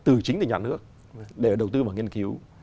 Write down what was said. từ chính từ nhà nước để đầu tư vào nghiên cứu